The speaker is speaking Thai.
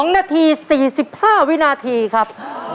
๒นาที๔๕วินาทีครับ